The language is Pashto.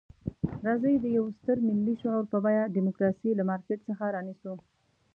راځئ د یوه ستر ملي شعور په بیه ډیموکراسي له مارکېټ څخه رانیسو.